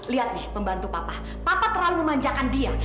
lihat nih pembantu papa papa terlalu memanjakan dia